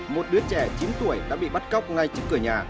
một đứa trẻ chín tuổi đã bị bắt cóc ngay trước cửa nhà